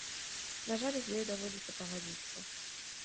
На жаль, з ёй даводзіцца пагадзіцца.